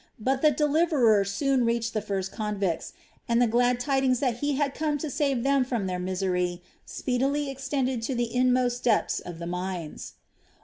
But the deliverer soon reached the first convicts, and the glad tidings that he had come to save them from their misery speedily extended to the inmost depths of the mines.